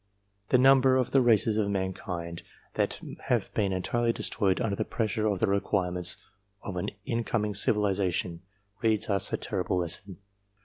The number of the races of mankind that have been entirely destroyed under the pressure of the requirements of an incoming civilization, reads us a terrible lesson.